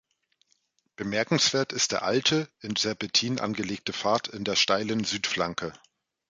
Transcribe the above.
Bemerkenswert ist der alte, in Serpentinen angelegte Pfad in der steilen Südflanke.